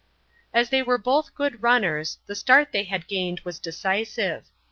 As they were both good runners, the start they had gained was decisive.